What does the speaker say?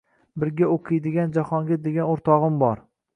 Birga oʻqiydigan Jahongir degan oʻrtogʻim bor